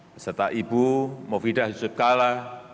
beserta ibu mufidah yusuf kalla